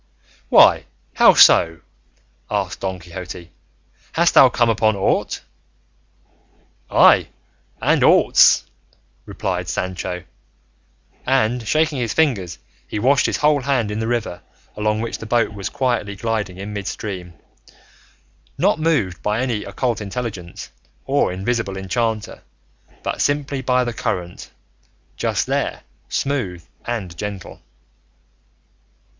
"Why, how so?" asked Don Quixote; "hast thou come upon aught?" "Ay, and aughts," replied Sancho; and shaking his fingers he washed his whole hand in the river along which the boat was quietly gliding in midstream, not moved by any occult intelligence or invisible enchanter, but simply by the current, just there smooth and gentle.